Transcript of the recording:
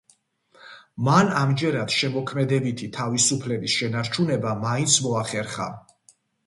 მან ამჯერად შემოქმედებითი თავისუფლების შენარჩუნება მაინც მოახერხა.